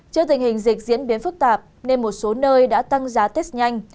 trước tình hình dịch diễn biến phức tạp nên một số nơi đã tăng giá test nhanh